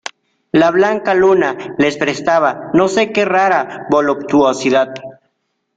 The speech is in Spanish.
la blanca luna les prestaba no sé qué rara voluptuosidad.